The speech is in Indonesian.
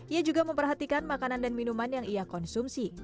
ia juga memperhatikan makanan dan minuman yang ia konsumsi